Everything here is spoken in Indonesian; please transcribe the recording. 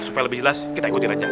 supaya lebih jelas kita ikutin aja